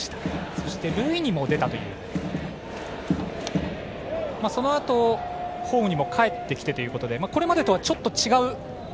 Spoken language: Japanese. そして、塁にも出てそのあとホームにもかえってきてということでこれまでとはちょっと違う